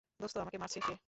দোস্ত, আমাকে মারছে সে।